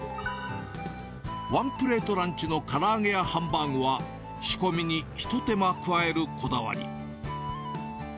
ワンプレートランチのから揚げやハンバーグは、仕込みに一手間加えるこだわり。